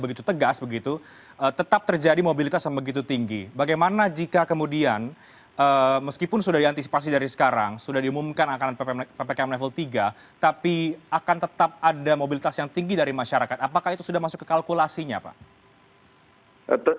begitu tegas begitu tetap terjadi mobilitas yang begitu tinggi bagaimana jika kemudian meskipun sudah diantisipasi dari sekarang sudah diumumkan akan ppkm level tiga tapi akan tetap ada mobilitas yang tinggi dari masyarakat apakah itu sudah masuk ke kalkulasinya pak